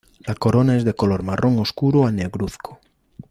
La corona es de color marrón oscuro a negruzco.